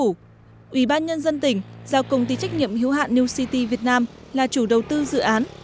ủy ban nhân dân tỉnh giao công ty trách nhiệm hiếu hạn new city việt nam là chủ đầu tư dự án